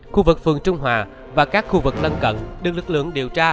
khu vực phường trung hòa và các khu vực lân cận được lực lượng điều tra rã soát